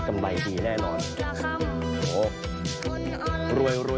ทำงานซะเบียงหาเงินลำบากเหลือเกินแต่แม่หน้าดำ